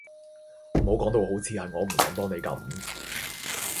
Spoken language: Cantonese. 唔好講到好似係我唔想幫你咁